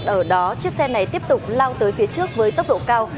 ở đó chiếc xe này tiếp tục lao tới phía trước với tốc độ cao